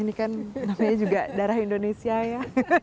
ini kan juga darah indonesia ya